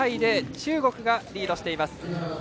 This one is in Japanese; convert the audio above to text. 中国がリードしています。